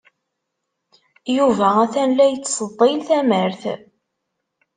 Yuba atan la yettseḍḍil tamart.